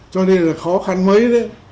cho nên là khó khăn mấy đấy